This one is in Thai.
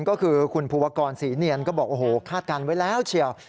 ก็คือคุณภูวกรศรีเนียนก็บอกโอ้โหคาดการณ์ไว้แล้วเฉียว